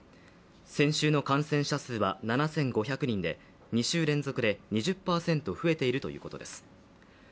先週の感染者数は７５００人で２週連続で２０％増えているということです。